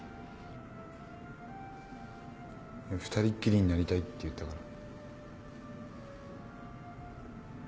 二人っきりになりたいって言ったから。